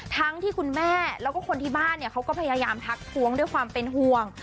ทั้งที่คุณแม่แล้วก็คนที่บ้านเนี่ยเขาก็พยายามทักท้วงด้วยความเป็นห่วง